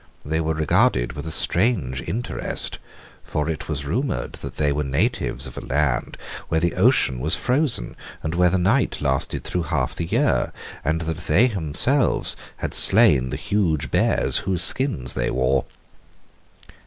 They were regarded with a strange interest; for it was rumoured that they were natives of a land where the ocean was frozen and where the night lasted through half the year, and that they had themselves slain the huge bears whose skins they wore.